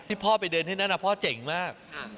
พ่อไปเดินที่นั่นพ่อเจ๋งมาก